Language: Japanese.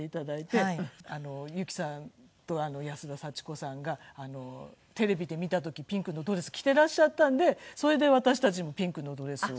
由紀さんと安田祥子さんがテレビで見た時ピンクのドレス着ていらっしゃったんでそれで私たちもピンクのドレスを。